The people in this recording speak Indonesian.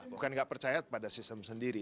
bukan nggak percaya pada sistem sendiri